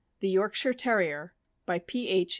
THE YORKSHIRE TERRIER. BY P. H.